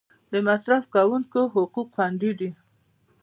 د مصرف کونکو حقوق خوندي دي؟